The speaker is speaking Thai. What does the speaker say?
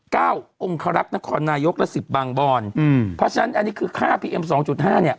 องค์คารักษ์นครนายกและสิบบางบอนอืมเพราะฉะนั้นอันนี้คือค่าพีเอ็มสองจุดห้าเนี้ย